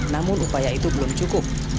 namun upaya itu belum cukup